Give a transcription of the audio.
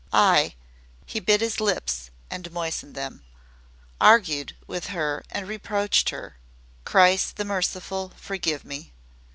I I " he bit his lips and moistened them, "argued with her and reproached her. Christ the Merciful, forgive me!